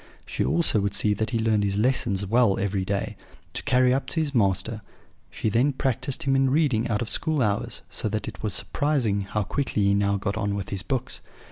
She also would see that he learned his lessons well every day, to carry up to his master: she then practised him in reading out of school hours, so that it was surprising how quickly he now got on with his books.